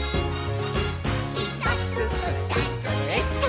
「ひとつふたつえっと」